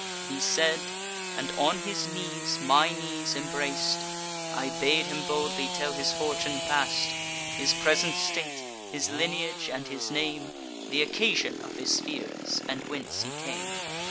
He said, and on his knees my knees embrac'd: I bade him boldly tell his fortune past, His present state, his lineage, and his name, Th' occasion of his fears, and whence he came.